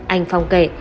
anh phong kể